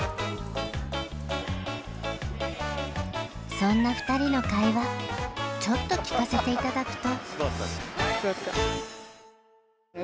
そんな２人の会話ちょっと聞かせていただくと。